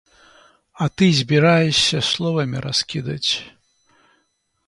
А ты збіраешся словамі раскідаць.